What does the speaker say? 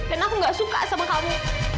dan aku nggak suka sama kamu